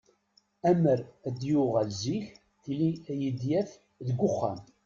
Amer d-yuɣal zik, tili ad iyi-d-yaf deg uxxam.